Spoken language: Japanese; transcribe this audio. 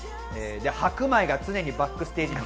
白米が常にバックステージに。